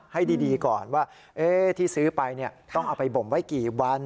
ให้ดีก่อนว่าที่ซื้อไปต้องเอาไปบ่มไว้กี่วัน